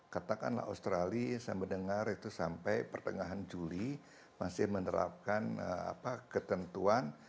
katakanlah australia saya mendengar itu sampai pertengahan juli masih menerapkan ketentuan